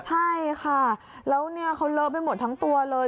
ใช่ค่ะแล้วเนี่ยเขาเลอะไปหมดทั้งตัวเลย